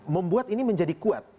membuat ini menjadi kuat